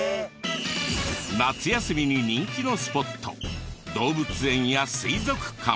夏休みに人気のスポット動物園や水族館。